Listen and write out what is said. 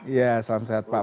ya selamat sehat pak